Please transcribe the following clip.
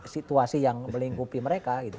situasi yang melingkupi mereka gitu